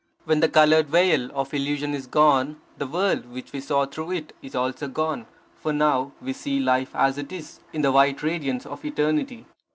When the coloured veil of illusion is gone, the world which we saw through it is also gone, for now we see life as it is, in the white radiance of eternity.